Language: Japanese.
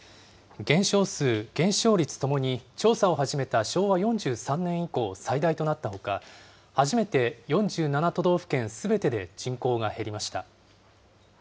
減少数、減少率ともに、調査を始めた昭和４３年以降最大となったほか、初めて４７都道府県すべてで人口が減りました。